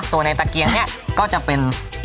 ตัวในแตกเกียงเนี้ยก็จะเป็น